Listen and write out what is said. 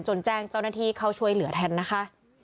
แจ้งเจ้าหน้าที่เข้าช่วยเหลือแทนนะคะ